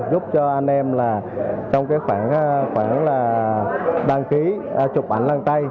giúp cho anh em trong khoảng đăng ký chụp ảnh lăng tay